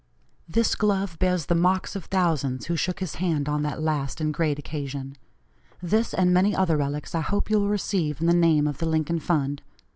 This glove bears the marks of thousands who shook his hand on that last and great occasion. This, and many other relics, I hope you will receive in the name of the Lincoln fund.